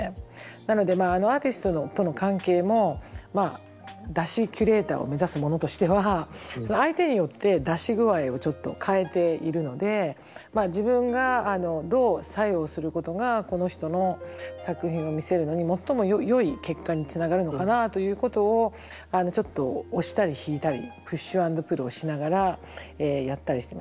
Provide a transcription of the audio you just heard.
なのでアーティストとの関係も出汁キュレーターを目指す者としては相手によって出汁具合をちょっと変えているので自分がどう作用することがこの人の作品を見せるのに最もよい結果につながるのかなということをちょっと押したり引いたりプッシュアンドプルをしながらやったりしてます。